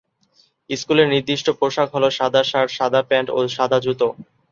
স্কুলের নির্দিষ্ট পোশাক হল সাদা শার্ট, সাদা প্যান্ট ও সাদা জুতো।